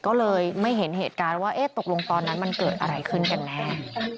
ก็เลยไม่เห็นเหตุการณ์ว่าตกลงตอนนั้นมันเกิดอะไรขึ้นกันแน่